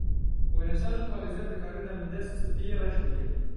Wênesaz û parêzer dikarin demildest spiyê reş bikin.